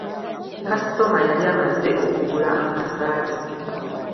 Kasitoma yali amazze okugula amasaati.